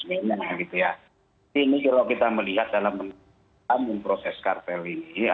ini kalau kita melihat dalam memproses kartel ini